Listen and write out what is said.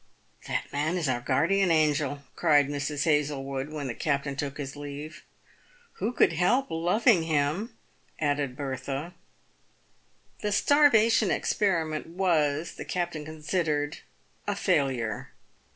"That man is our guardian angel," cried Mrs. Hazlewood, when the captain took his leave. " Who could help loving him ?" added Bertha. The starvation experiment was, the captain considered, a failure.